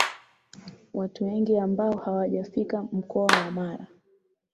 Watu wengi ambao hawajafika mkoa wa Mara